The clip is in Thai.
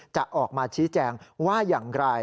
จะออกมาชี้แจงว่าอย่างไร